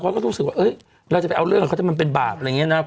ก็รู้สึกว่าเราจะไปเอาเรื่องกับเขาจะมันเป็นบาปอะไรอย่างนี้นะ